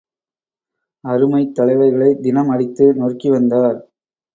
அருமைத் தலைவர்களை தினம் அடித்து நொறுக்கிவந்தார்.